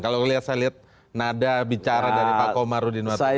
kalau saya lihat nada bicara dari pak komarudin wartawan